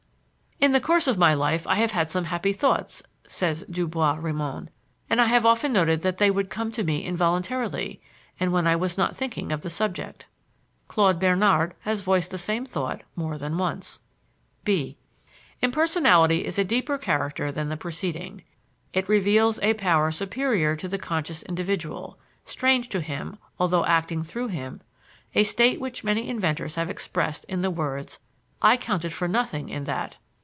"In the course of my life I have had some happy thoughts," says Du Bois Reymond, "and I have often noted that they would come to me involuntarily, and when I was not thinking of the subject." Claude Bernard has voiced the same thought more than once. (b) Impersonality is a deeper character than the preceding. It reveals a power superior to the conscious individual, strange to him although acting through him: a state which many inventors have expressed in the words, "I counted for nothing in that."